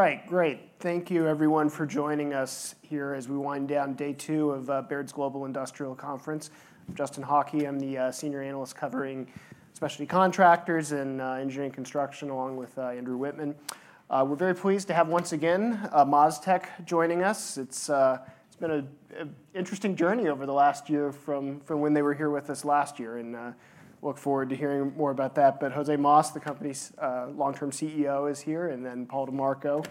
All right, great. Thank you, everyone, for joining us here as we wind down day two of Baird's Global Industrial Conference. I'm Justin Hauke. I'm the senior analyst covering specialty contractors and engineering construction, along with Andrew Wittmann. We're very pleased to have, once again, MasTec joining us. It's been an interesting journey over the last year from when they were here with us last year, and I look forward to hearing more about that, but José Mas, the company's long-term CEO, is here, and then Paul DiMarco,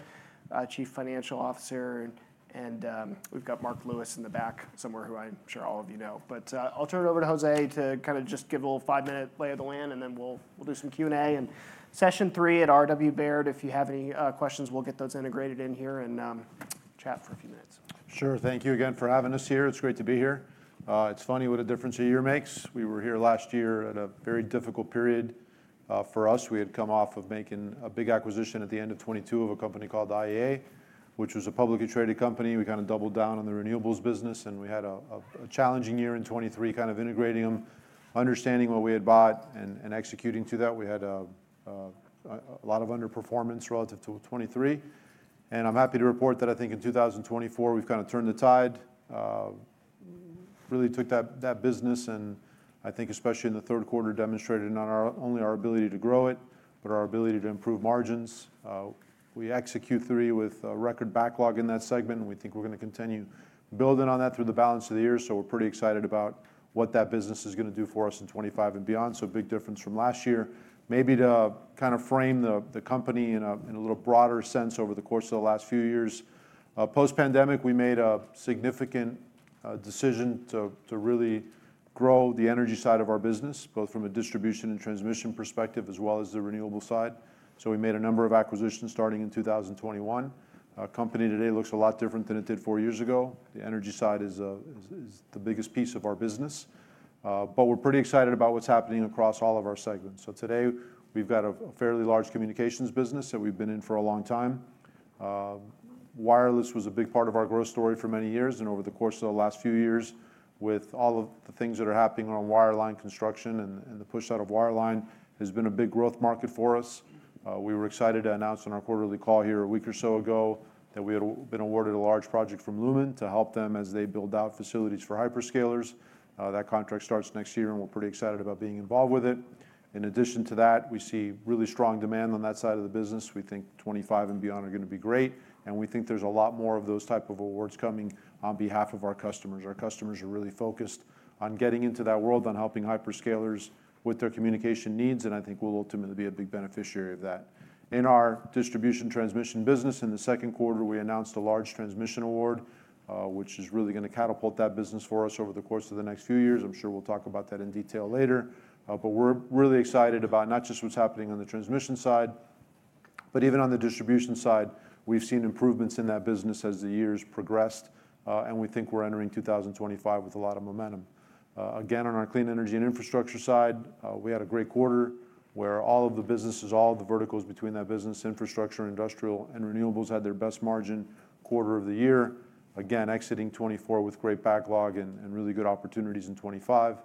Chief Financial Officer. And we've got Marc Lewis in the back somewhere, who I'm sure all of you know, but I'll turn it over to José to kind of just give a little five-minute lay of the land, and then we'll do some Q&A. And session three at R.W. Baird, if you have any questions, we'll get those integrated in here and chat for a few minutes. Sure. Thank you again for having us here. It's great to be here. It's funny what a difference a year makes. We were here last year at a very difficult period for us. We had come off of making a big acquisition at the end of 2022 of a company called IEA, which was a publicly traded company. We kind of doubled down on the renewables business, and we had a challenging year in 2023, kind of integrating them, understanding what we had bought and executing to that. We had a lot of underperformance relative to 2023. And I'm happy to report that I think in 2024 we've kind of turned the tide, really took that business, and I think especially in the third quarter demonstrated not only our ability to grow it, but our ability to improve margins. We executed Q3 with a record backlog in that segment, and we think we're going to continue building on that through the balance of the year, so we're pretty excited about what that business is going to do for us in 2025 and beyond, so big difference from last year. Maybe to kind of frame the company in a little broader sense over the course of the last few years, post-pandemic, we made a significant decision to really grow the energy side of our business, both from a distribution and transmission perspective as well as the renewable side, so we made a number of acquisitions starting in 2021. The company today looks a lot different than it did four years ago. The energy side is the biggest piece of our business, but we're pretty excited about what's happening across all of our segments. So today we've got a fairly large communications business that we've been in for a long time. Wireless was a big part of our growth story for many years, and over the course of the last few years, with all of the things that are happening on wireline construction and the push out of wireline, has been a big growth market for us. We were excited to announce on our quarterly call here a week or so ago that we had been awarded a large project from Lumen to help them as they build out facilities for hyperscalers. That contract starts next year, and we're pretty excited about being involved with it. In addition to that, we see really strong demand on that side of the business. We think 2025 and beyond are going to be great, and we think there's a lot more of those types of awards coming on behalf of our customers. Our customers are really focused on getting into that world, on helping hyperscalers with their communication needs, and I think we'll ultimately be a big beneficiary of that. In our distribution transmission business, in the second quarter, we announced a large transmission award, which is really going to catapult that business for us over the course of the next few years. I'm sure we'll talk about that in detail later, but we're really excited about not just what's happening on the transmission side, but even on the distribution side. We've seen improvements in that business as the years progressed, and we think we're entering 2025 with a lot of momentum. Again, on our clean energy and infrastructure side, we had a great quarter where all of the businesses, all of the verticals between that business, infrastructure, industrial, and renewables had their best margin quarter of the year, again exiting 2024 with great backlog and really good opportunities in 2025.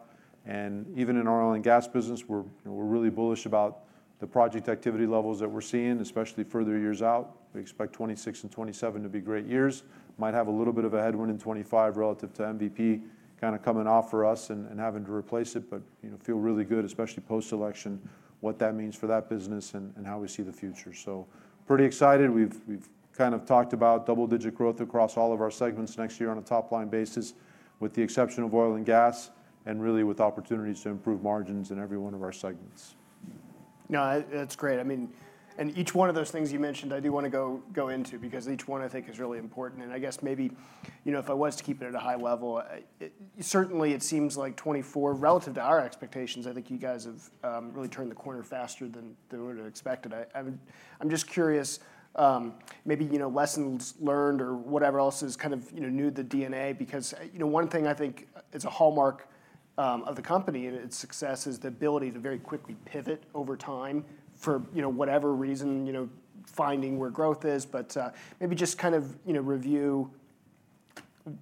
And even in our oil and gas business, we're really bullish about the project activity levels that we're seeing, especially further years out. We expect 2026 and 2027 to be great years. Might have a little bit of a headwind in 2025 relative to MVP kind of coming off for us and having to replace it, but feel really good, especially post-election, what that means for that business and how we see the future. So, pretty excited. We've kind of talked about double-digit growth across all of our segments next year on a top-line basis, with the exception of oil and gas, and really with opportunities to improve margins in every one of our segments. No, that's great. I mean, and each one of those things you mentioned, I do want to go into because each one I think is really important, and I guess maybe, you know, if I was to keep it at a high level, certainly it seems like 2024, relative to our expectations, I think you guys have really turned the corner faster than we would have expected. I'm just curious, maybe lessons learned or whatever else is kind of new to the DNA, because one thing I think is a hallmark of the company and its success is the ability to very quickly pivot over time for whatever reason, finding where growth is, but maybe just kind of review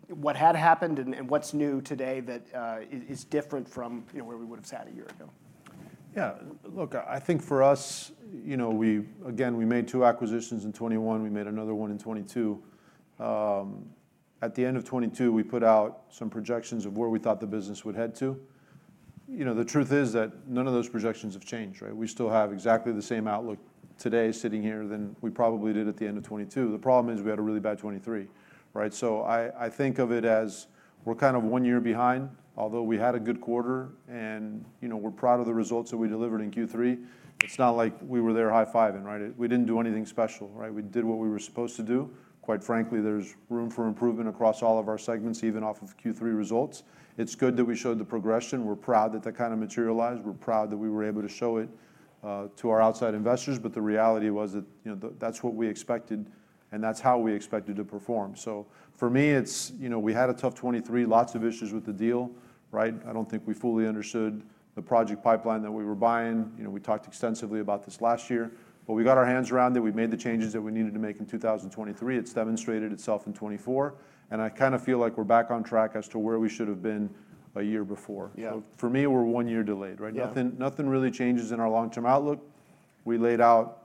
what had happened and what's new today that is different from where we would have sat a year ago. Yeah. Look, I think for us, again, we made two acquisitions in 2021. We made another one in 2022. At the end of 2022, we put out some projections of where we thought the business would head to. The truth is that none of those projections have changed. We still have exactly the same outlook today sitting here than we probably did at the end of 2022. The problem is we had a really bad 2023. So I think of it as we're kind of one year behind, although we had a good quarter, and we're proud of the results that we delivered in Q3. It's not like we were there high-fiving. We didn't do anything special. We did what we were supposed to do. Quite frankly, there's room for improvement across all of our segments, even off of Q3 results. It's good that we showed the progression. We're proud that that kind of materialized. We're proud that we were able to show it to our outside investors. But the reality was that that's what we expected and that's how we expected to perform, so for me, it's we had a tough 2023, lots of issues with the deal. I don't think we fully understood the project pipeline that we were buying. We talked extensively about this last year, but we got our hands around it. We made the changes that we needed to make in 2023. It's demonstrated itself in 2024, and I kind of feel like we're back on track as to where we should have been a year before, so for me, we're one year delayed. Nothing really changes in our long-term outlook. We laid out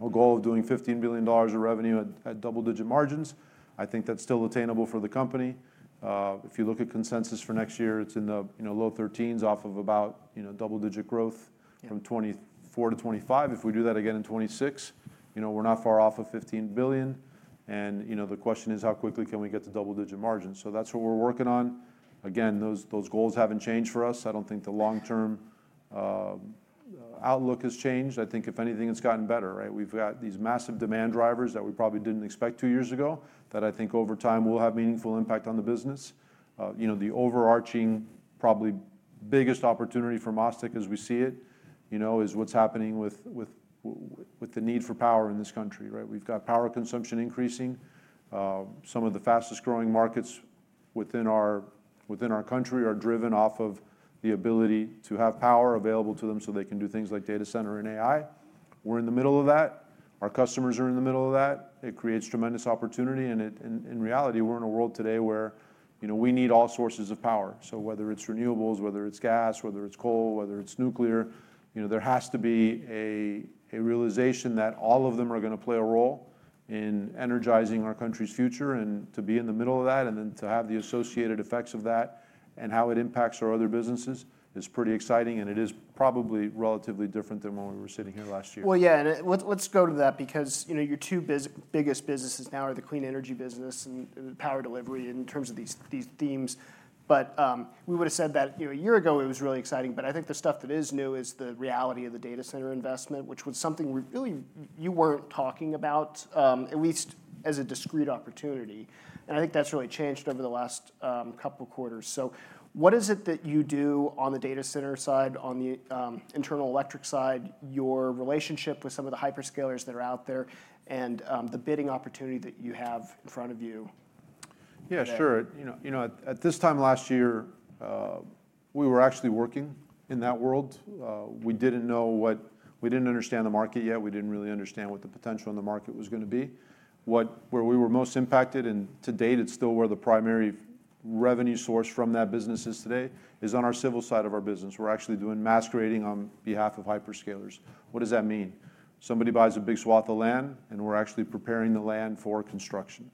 a goal of doing $15 billion of revenue at double-digit margins. I think that's still attainable for the company. If you look at consensus for next year, it's in the low 13s off of about double-digit growth from 2024 to 2025. If we do that again in 2026, we're not far off of $15 billion. And the question is, how quickly can we get to double-digit margins? So that's what we're working on. Again, those goals haven't changed for us. I don't think the long-term outlook has changed. I think if anything, it's gotten better. We've got these massive demand drivers that we probably didn't expect two years ago that I think over time will have meaningful impact on the business. The overarching, probably biggest opportunity for MasTec as we see it is what's happening with the need for power in this country. We've got power consumption increasing. Some of the fastest growing markets within our country are driven off of the ability to have power available to them so they can do things like data center and AI. We're in the middle of that. Our customers are in the middle of that. It creates tremendous opportunity, and in reality, we're in a world today where we need all sources of power, so whether it's renewables, whether it's gas, whether it's coal, whether it's nuclear, there has to be a realization that all of them are going to play a role in energizing our country's future, and to be in the middle of that and then to have the associated effects of that and how it impacts our other businesses is pretty exciting, and it is probably relatively different than when we were sitting here last year. Well, yeah, and let's go to that because your two biggest businesses now are the clean energy business and power delivery in terms of these themes. But we would have said that a year ago it was really exciting, but I think the stuff that is new is the reality of the data center investment, which was something really you weren't talking about, at least as a discrete opportunity. And I think that's really changed over the last couple of quarters. So what is it that you do on the data center side, on the electrical side, your relationship with some of the hyperscalers that are out there, and the bidding opportunity that you have in front of you? Yeah, sure. At this time last year, we were actually working in that world. We didn't know what we didn't understand the market yet. We didn't really understand what the potential in the market was going to be. Where we were most impacted, and to date, it's still where the primary revenue source from that business is today, is on our civil side of our business. We're actually doing mass grading on behalf of hyperscalers. What does that mean? Somebody buys a big swath of land, and we're actually preparing the land for construction.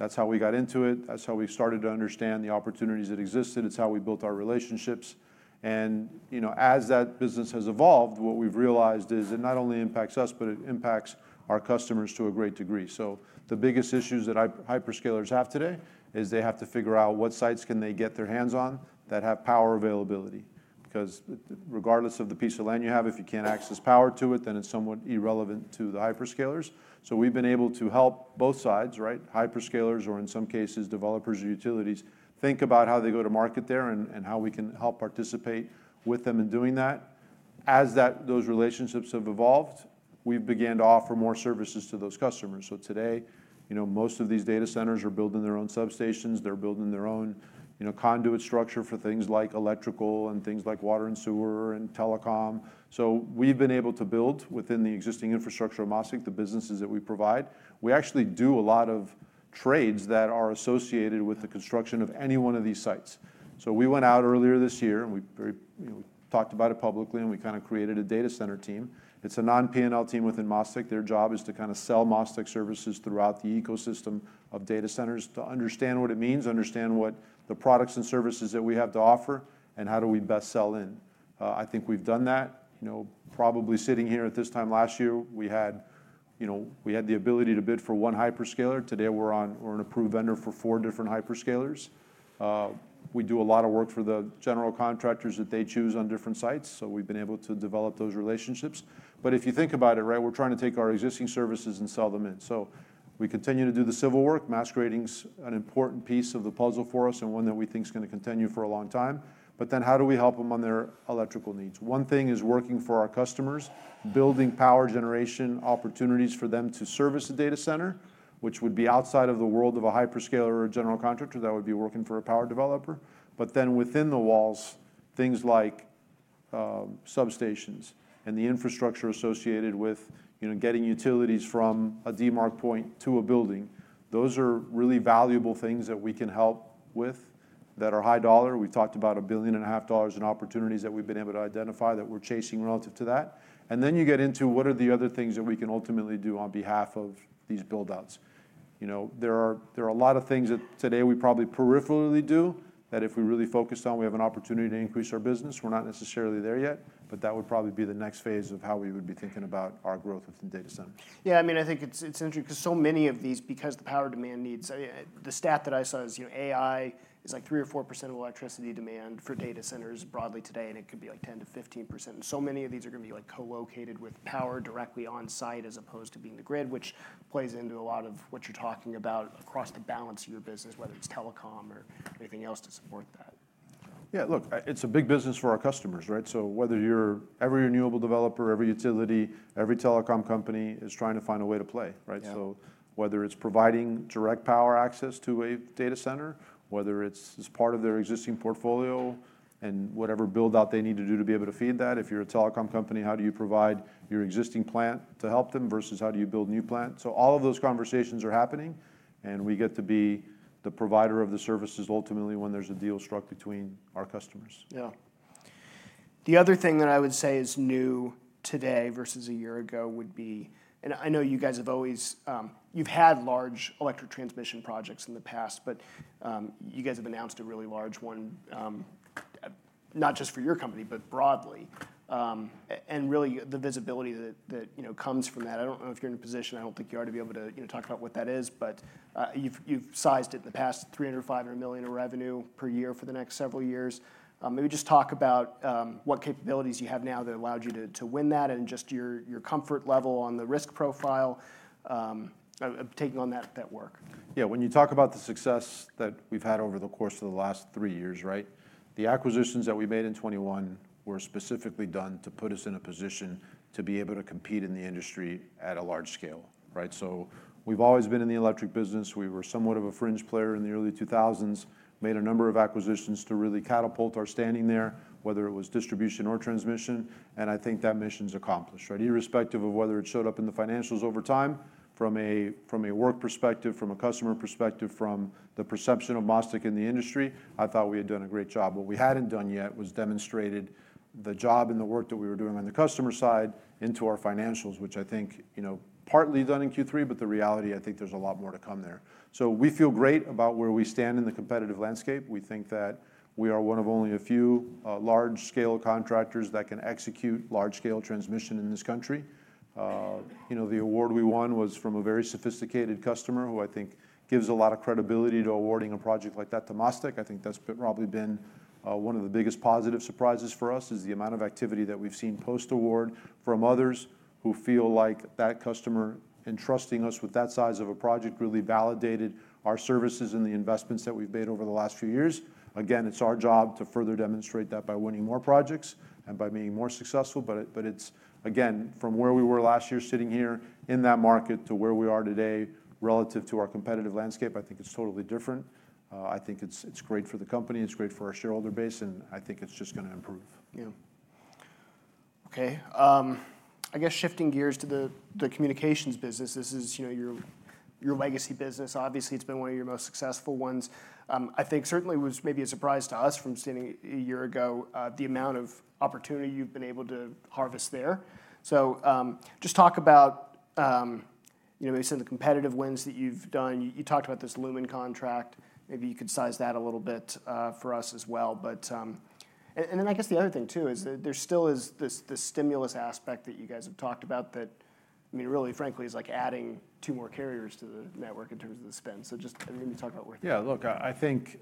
That's how we got into it. That's how we started to understand the opportunities that existed. It's how we built our relationships. And as that business has evolved, what we've realized is it not only impacts us, but it impacts our customers to a great degree. So the biggest issues that hyperscalers have today is they have to figure out what sites can they get their hands on that have power availability. Because regardless of the piece of land you have, if you can't access power to it, then it's somewhat irrelevant to the hyperscalers. So we've been able to help both sides, hyperscalers or in some cases developers or utilities, think about how they go to market there and how we can help participate with them in doing that. As those relationships have evolved, we've began to offer more services to those customers. So today, most of these data centers are building their own substations. They're building their own conduit structure for things like electrical and things like water and sewer and telecom. So we've been able to build within the existing infrastructure of MasTec, the businesses that we provide. We actually do a lot of trades that are associated with the construction of any one of these sites. So we went out earlier this year and we talked about it publicly and we kind of created a data center team. It's a non-P&L team within MasTec. Their job is to kind of sell MasTec services throughout the ecosystem of data centers to understand what it means, understand what the products and services that we have to offer, and how do we best sell in. I think we've done that. Probably sitting here at this time last year, we had the ability to bid for one hyperscaler. Today we're an approved vendor for four different hyperscalers. We do a lot of work for the general contractors that they choose on different sites. So we've been able to develop those relationships. But if you think about it, we're trying to take our existing services and sell them in. So we continue to do the civil work. mass grading is an important piece of the puzzle for us and one that we think is going to continue for a long time. But then how do we help them on their electrical needs? One thing is working for our customers, building power generation opportunities for them to service the data center, which would be outside of the world of a hyperscaler or a general contractor that would be working for a power developer. But then within the walls, things like substations and the infrastructure associated with getting utilities from a demarc point to a building, those are really valuable things that we can help with that are high dollar. We've talked about $1.5 billion in opportunities that we've been able to identify that we're chasing relative to that. And then you get into what are the other things that we can ultimately do on behalf of these buildouts. There are a lot of things that today we probably peripherally do that if we really focus on, we have an opportunity to increase our business. We're not necessarily there yet, but that would probably be the next phase of how we would be thinking about our growth within data centers. Yeah, I mean, I think it's interesting because so many of these, because the power demand needs, the stat that I saw is AI is like 3% or 4% of electricity demand for data centers broadly today, and it could be like 10% to 15%. So many of these are going to be co-located with power directly on site as opposed to being the grid, which plays into a lot of what you're talking about across the balance of your business, whether it's telecom or anything else to support that. Yeah, look, it's a big business for our customers. So whether you're every renewable developer, every utility, every telecom company is trying to find a way to play. So whether it's providing direct power access to a data center, whether it's part of their existing portfolio and whatever buildout they need to do to be able to feed that. If you're a telecom company, how do you provide your existing plant to help them versus how do you build new plants? So all of those conversations are happening, and we get to be the provider of the services ultimately when there's a deal struck between our customers. Yeah. The other thing that I would say is new today versus a year ago would be, and I know you guys have always, you've had large electric transmission projects in the past, but you guys have announced a really large one, not just for your company, but broadly. And really the visibility that comes from that, I don't know if you're in a position, I don't think you ought to be able to talk about what that is, but you've sized it in the past, $300 million-$500 million of revenue per year for the next several years. Maybe just talk about what capabilities you have now that allowed you to win that and just your comfort level on the risk profile of taking on that work. Yeah, when you talk about the success that we've had over the course of the last three years, the acquisitions that we made in 2021 were specifically done to put us in a position to be able to compete in the industry at a large scale. So we've always been in the electric business. We were somewhat of a fringe player in the early 2000s, made a number of acquisitions to really catapult our standing there, whether it was distribution or transmission, and I think that mission's accomplished. Irrespective of whether it showed up in the financials over time, from a work perspective, from a customer perspective, from the perception of MasTec in the industry, I thought we had done a great job. What we hadn't done yet was demonstrated the job and the work that we were doing on the customer side into our financials, which I think partly done in Q3, but the reality, I think there's a lot more to come there. So we feel great about where we stand in the competitive landscape. We think that we are one of only a few large-scale contractors that can execute large-scale transmission in this country. The award we won was from a very sophisticated customer who I think gives a lot of credibility to awarding a project like that to MasTec. I think that's probably been one of the biggest positive surprises for us is the amount of activity that we've seen post-award from others who feel like that customer entrusting us with that size of a project really validated our services and the investments that we've made over the last few years. Again, it's our job to further demonstrate that by winning more projects and by being more successful. But again, from where we were last year sitting here in that market to where we are today relative to our competitive landscape, I think it's totally different. I think it's great for the company. It's great for our shareholder base, and I think it's just going to improve. Yeah. Okay. I guess shifting gears to the communications business, this is your legacy business. Obviously, it's been one of your most successful ones. I think certainly was maybe a surprise to us from seeing a year ago the amount of opportunity you've been able to harvest there. So just talk about maybe some of the competitive wins that you've done. You talked about this Lumen contract. Maybe you could size that a little bit for us as well. And then I guess the other thing too is that there still is this stimulus aspect that you guys have talked about that really frankly is like adding two more carriers to the network in terms of the spend. So just maybe talk about where it's at. Yeah, look, I think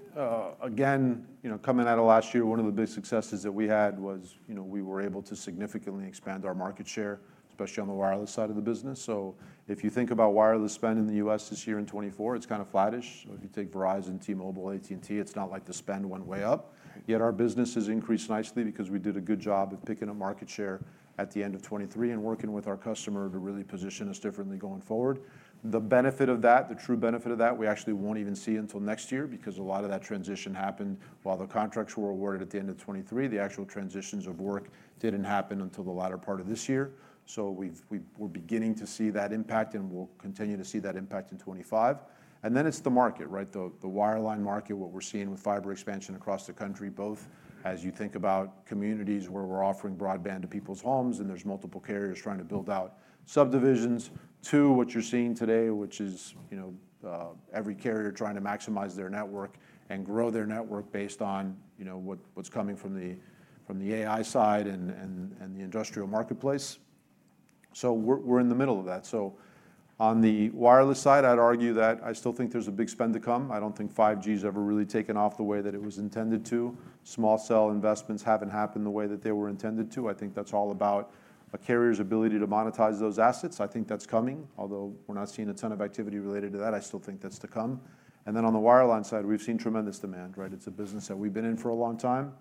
again, coming out of last year, one of the big successes that we had was we were able to significantly expand our market share, especially on the wireless side of the business. So if you think about wireless spend in the U.S. this year in 2024, it's kind of flattish. So if you take Verizon, T-Mobile, AT&T, it's not like the spend went way up. Yet our business has increased nicely because we did a good job of picking up market share at the end of 2023 and working with our customer to really position us differently going forward. The benefit of that, the true benefit of that, we actually won't even see until next year because a lot of that transition happened while the contracts were awarded at the end of 2023. The actual transitions of work didn't happen until the latter part of this year. So we're beginning to see that impact and we'll continue to see that impact in 2025. And then it's the market, the wireline market, what we're seeing with fiber expansion across the country, both as you think about communities where we're offering broadband to people's homes and there's multiple carriers trying to build out subdivisions to what you're seeing today, which is every carrier trying to maximize their network and grow their network based on what's coming from the AI side and the industrial marketplace. So we're in the middle of that. So on the wireless side, I'd argue that I still think there's a big spend to come. I don't think 5G has ever really taken off the way that it was intended to. Small cell investments haven't happened the way that they were intended to. I think that's all about a carrier's ability to monetize those assets. I think that's coming, although we're not seeing a ton of activity related to that. I still think that's to come. And then on the wireline side, we've seen tremendous demand. It's a business that we've been in for a long time.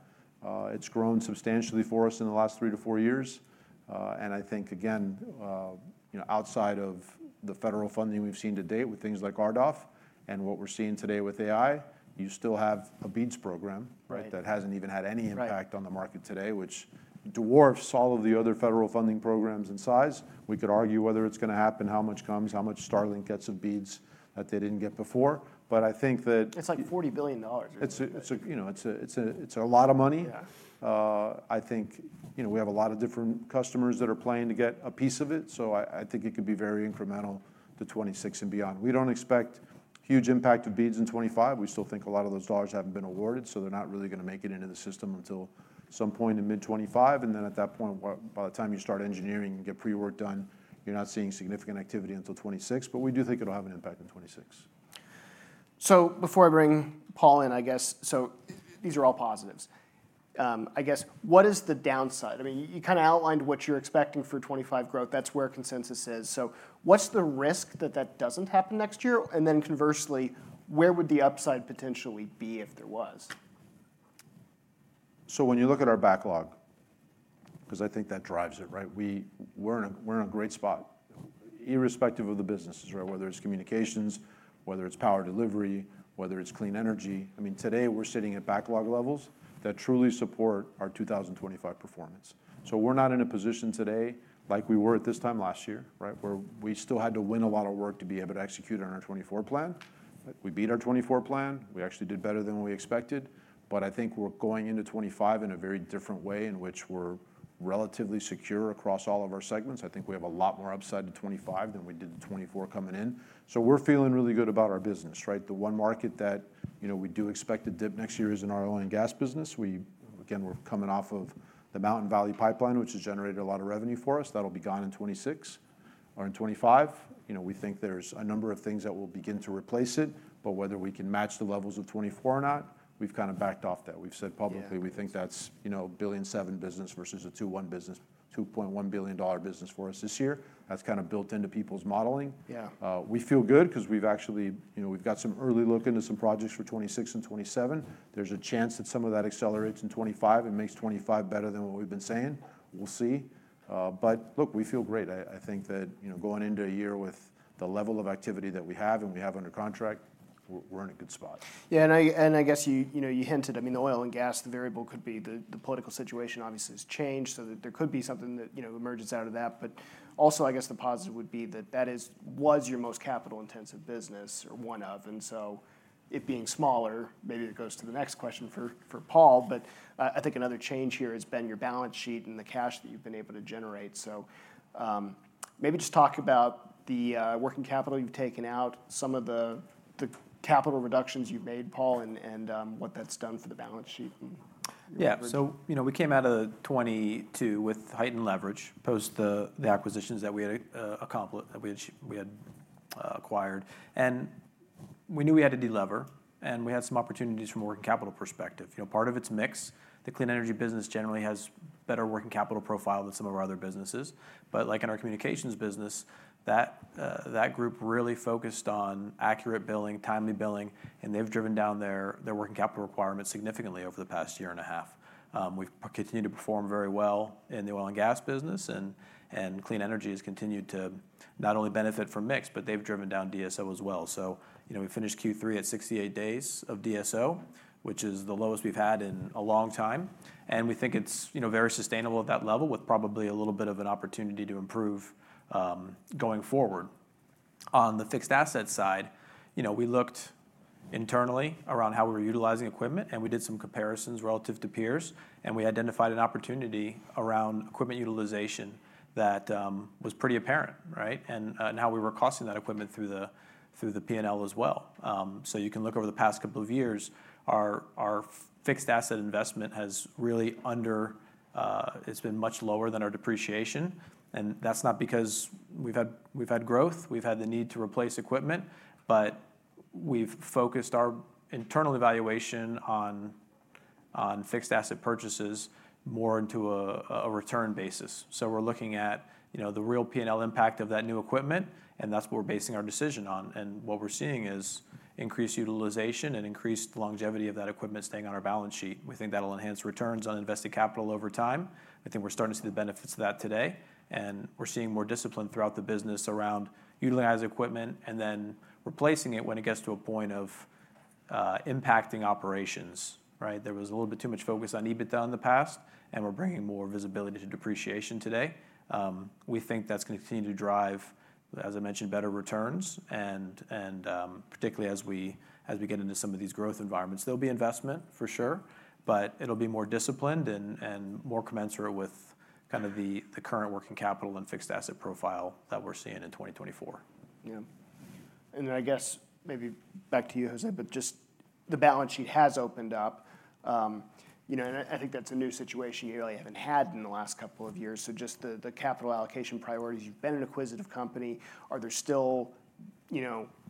It's grown substantially for us in the last three to four years. And I think, again, outside of the federal funding we've seen to date with things like RDOF and what we're seeing today with AI, you still have a BEAD program that hasn't even had any impact on the market today, which dwarfs all of the other federal funding programs in size. We could argue whether it's going to happen, how much comes, how much Starlink gets of BEAD that they didn't get before. But I think that. It's like $40 billion. It's a lot of money. I think we have a lot of different customers that are playing to get a piece of it. So I think it could be very incremental to 2026 and beyond. We don't expect huge impact of BEAD in 2025. We still think a lot of those dollars haven't been awarded. So they're not really going to make it into the system until some point in mid-2025. And then at that point, by the time you start engineering and get pre-work done, you're not seeing significant activity until 2026. But we do think it'll have an impact in 2026. So before I bring Paul in, I guess, so these are all positives. I guess what is the downside? I mean, you kind of outlined what you're expecting for 2025 growth. That's where consensus is. So what's the risk that that doesn't happen next year? And then conversely, where would the upside potentially be if there was? So when you look at our backlog, because I think that drives it, we're in a great spot irrespective of the businesses, whether it's communications, whether it's power delivery, whether it's clean energy. I mean, today we're sitting at backlog levels that truly support our 2025 performance. We're not in a position today like we were at this time last year, where we still had to win a lot of work to be able to execute on our 2024 plan. We beat our 2024 plan. We actually did better than we expected. But I think we're going into 2025 in a very different way in which we're relatively secure across all of our segments. I think we have a lot more upside in 2025 than we did in 2024 coming in. So we're feeling really good about our business. The one market that we do expect to dip next year is in our oil and gas business. Again, we're coming off of the Mountain Valley Pipeline, which has generated a lot of revenue for us. That'll be gone in 2026 or in 2025. We think there's a number of things that will begin to replace it. But whether we can match the levels of 2024 or not, we've kind of backed off that. We've said publicly we think that's a $1.7 billion business versus a $2.1 billion business for us this year. That's kind of built into people's modeling. We feel good because we've actually got some early look into some projects for 2026 and 2027. There's a chance that some of that accelerates in 2025 and makes 2025 better than what we've been saying. We'll see. But look, we feel great. I think that going into a year with the level of activity that we have and we have under contract, we're in a good spot. Yeah. And I guess you hinted. I mean, the oil and gas, the variable could be the political situation obviously has changed. So there could be something that emerges out of that. But also I guess the positive would be that that was your most capital-intensive business or one of. And so it being smaller, maybe it goes to the next question for Paul. But I think another change here has been your balance sheet and the cash that you've been able to generate. So maybe just talk about the working capital you've taken out, some of the capital reductions you've made, Paul, and what that's done for the balance sheet. Yeah. So we came out of 2022 with heightened leverage post the acquisitions that we had acquired. And we knew we had to delever. And we had some opportunities from a working capital perspective. Part of it's mix. The clean energy business generally has better working capital profile than some of our other businesses. But like in our communications business, that group really focused on accurate billing, timely billing, and they've driven down their working capital requirements significantly over the past year and a half. We've continued to perform very well in the oil and gas business. And clean energy has continued to not only benefit from mix, but they've driven down DSO as well. So we finished Q3 at 68 days of DSO, which is the lowest we've had in a long time. We think it's very sustainable at that level with probably a little bit of an opportunity to improve going forward. On the fixed asset side, we looked internally around how we were utilizing equipment, and we did some comparisons relative to peers. We identified an opportunity around equipment utilization that was pretty apparent and how we were costing that equipment through the P&L as well. You can look over the past couple of years; our fixed asset investment has really been much lower than our depreciation. That's not because we've had growth. We've had the need to replace equipment, but we've focused our internal evaluation on fixed asset purchases more into a return basis. We're looking at the real P&L impact of that new equipment, and that's what we're basing our decision on. What we're seeing is increased utilization and increased longevity of that equipment staying on our balance sheet. We think that'll enhance returns on invested capital over time. I think we're starting to see the benefits of that today. We're seeing more discipline throughout the business around utilizing equipment and then replacing it when it gets to a point of impacting operations. There was a little bit too much focus on EBITDA in the past, and we're bringing more visibility to depreciation today. We think that's going to continue to drive, as I mentioned, better returns, and particularly as we get into some of these growth environments. There'll be investment for sure, but it'll be more disciplined and more commensurate with kind of the current working capital and fixed asset profile that we're seeing in 2024. Yeah. And then I guess maybe back to you, José, but just the balance sheet has opened up. And I think that's a new situation you really haven't had in the last couple of years. So just the capital allocation priorities, you've been an acquisitive company. Are there still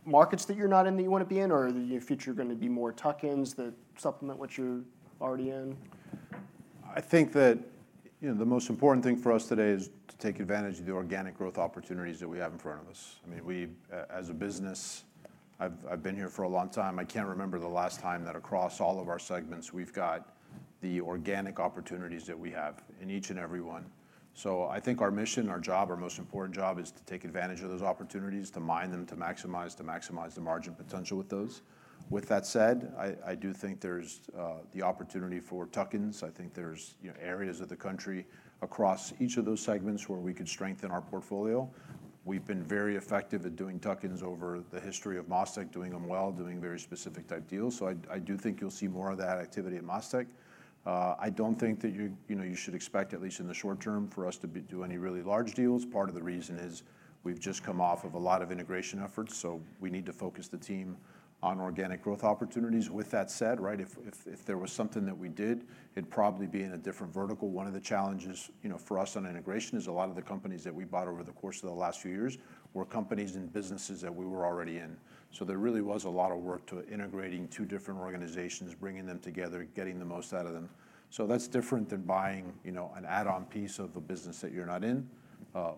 markets that you're not in that you want to be in, or in your future, you're going to be more tuck-ins that supplement what you're already in? I think that the most important thing for us today is to take advantage of the organic growth opportunities that we have in front of us. I mean, as a business, I've been here for a long time. I can't remember the last time that across all of our segments, we've got the organic opportunities that we have in each and every one. So I think our mission, our job, our most important job is to take advantage of those opportunities, to mine them, to maximize, to maximize the margin potential with those. With that said, I do think there's the opportunity for tuck-ins. I think there's areas of the country across each of those segments where we could strengthen our portfolio. We've been very effective at doing tuck-ins over the history of MasTec, doing them well, doing very specific type deals. So I do think you'll see more of that activity at MasTec. I don't think that you should expect, at least in the short term, for us to do any really large deals. Part of the reason is we've just come off of a lot of integration efforts. So we need to focus the team on organic growth opportunities. With that said, if there was something that we did, it'd probably be in a different vertical. One of the challenges for us on integration is a lot of the companies that we bought over the course of the last few years were companies and businesses that we were already in. So there really was a lot of work to integrating two different organizations, bringing them together, getting the most out of them. So that's different than buying an add-on piece of a business that you're not in.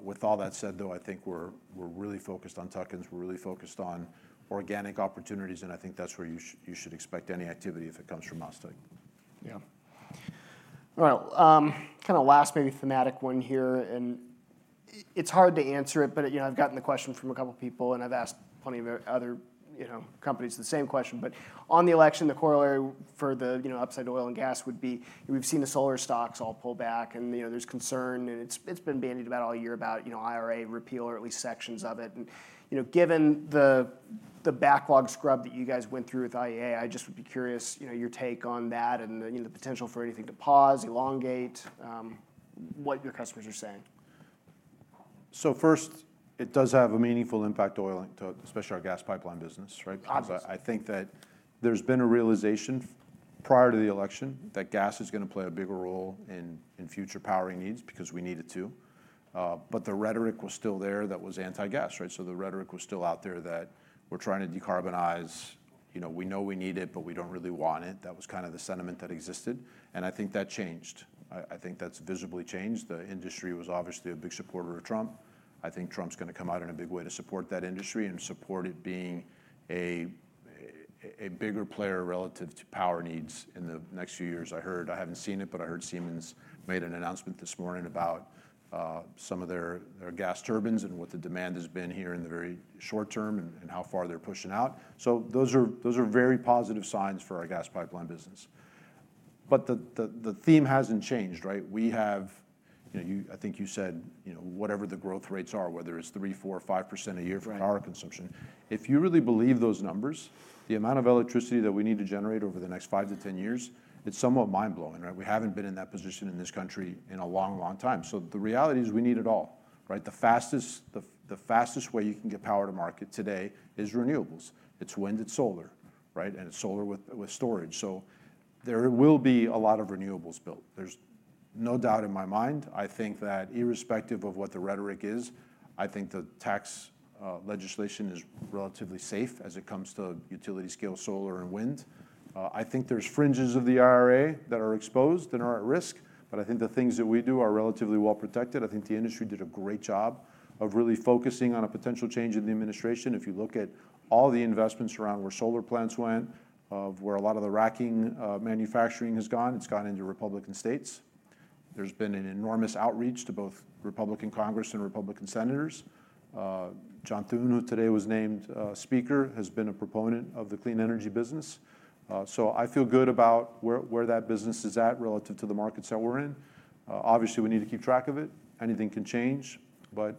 With all that said though, I think we're really focused on tuck-ins. We're really focused on organic opportunities, and I think that's where you should expect any activity if it comes from MasTec. Yeah. All right. Kind of last maybe thematic one here. And it's hard to answer it, but I've gotten the question from a couple of people, and I've asked plenty of other companies the same question. But on the election, the corollary for the upside to oil and gas would be we've seen the solar stocks all pull back, and there's concern. And it's been bandied about all year about IRA repeal or at least sections of it. And given the backlog scrub that you guys went through with IEA, I just would be curious your take on that and the potential for anything to pause, elongate, what your customers are saying. So first, it does have a meaningful impact to oil, especially our gas pipeline business. I think that there's been a realization prior to the election that gas is going to play a bigger role in future powering needs because we need it to. But the rhetoric was still there that was anti-gas. So the rhetoric was still out there that we're trying to decarbonize. We know we need it, but we don't really want it. That was kind of the sentiment that existed. And I think that changed. I think that's visibly changed. The industry was obviously a big supporter of Trump. I think Trump's going to come out in a big way to support that industry and support it being a bigger player relative to power needs in the next few years. I heard, I haven't seen it, but I heard Siemens made an announcement this morning about some of their gas turbines and what the demand has been here in the very short term and how far they're pushing out. So those are very positive signs for our gas pipeline business. But the theme hasn't changed. We have, I think you said whatever the growth rates are, whether it's three, four, five% a year for power consumption. If you really believe those numbers, the amount of electricity that we need to generate over the next five to 10 years, it's somewhat mind-blowing. We haven't been in that position in this country in a long, long time. So the reality is we need it all. The fastest way you can get power to market today is renewables. It's wind, it's solar, and it's solar with storage. So there will be a lot of renewables built. There's no doubt in my mind. I think that irrespective of what the rhetoric is, I think the tax legislation is relatively safe as it comes to utility-scale solar and wind. I think there's fringes of the IRA that are exposed and are at risk, but I think the things that we do are relatively well protected. I think the industry did a great job of really focusing on a potential change in the administration. If you look at all the investments around where solar plants went, where a lot of the racking manufacturing has gone, it's gone into Republican states. There's been an enormous outreach to both Republican Congress and Republican senators. John Thune, who today was named speaker, has been a proponent of the clean energy business. So I feel good about where that business is at relative to the markets that we're in. Obviously, we need to keep track of it. Anything can change. But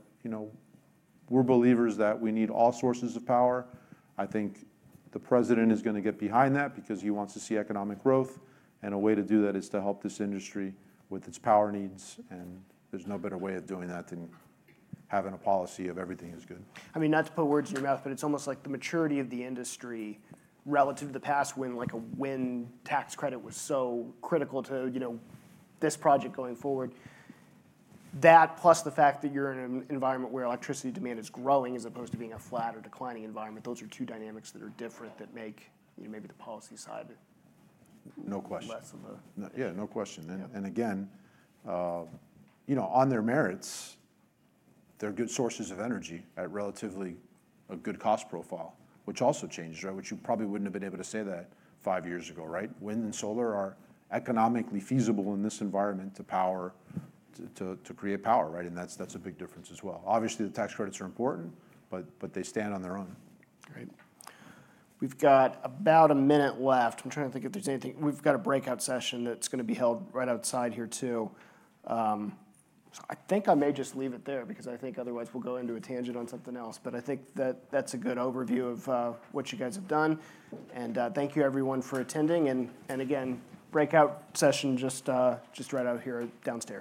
we're believers that we need all sources of power. I think the President is going to get behind that because he wants to see economic growth. And a way to do that is to help this industry with its power needs. And there's no better way of doing that than having a policy of everything is good. I mean, not to put words in your mouth, but it's almost like the maturity of the industry relative to the past when a wind tax credit was so critical to this project going forward. That plus the fact that you're in an environment where electricity demand is growing as opposed to being a flat or declining environment, those are two dynamics that are different that make maybe the policy side. No question. Yeah, no question. And again, on their merits, they're good sources of energy at relatively a good cost profile, which also changes, which you probably wouldn't have been able to say that five years ago. Wind and solar are economically feasible in this environment to create power. And that's a big difference as well. Obviously, the tax credits are important, but they stand on their own. Great. We've got about a minute left. I'm trying to think if there's anything. We've got a breakout session that's going to be held right outside here too. I think I may just leave it there because I think otherwise we'll go into a tangent on something else. But I think that that's a good overview of what you guys have done. And thank you, everyone, for attending. And again, breakout session just right out here downstairs.